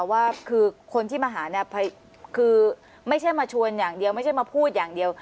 ว่าคือคนที่มาหาเนี่ยคือไม่ใช่มาชวนอย่างเดียวไม่ใช่มาพูดอย่างเดียว